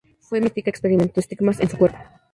Fue mística, experimentó estigmas en su cuerpo.